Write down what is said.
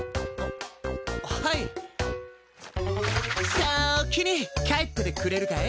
さきに帰っててくれるかい？